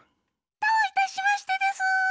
どういたしましてでスー。